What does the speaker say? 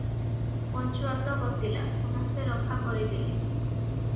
ପଞ୍ଚୁଆତ ବସିଲା, ସମସ୍ତେ ରଫା କରି ଦେଲେ ।